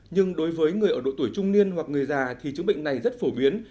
nhưng đối với người ở độ tuổi trung niên hoặc người già thì chứng bệnh này rất phổ biến